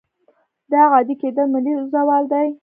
دا عادي کېدل ملي زوال دی.